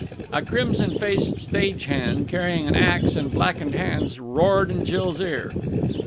A crimson faced stage hand, carrying an axe in blackened hands, roared in Jill's ear.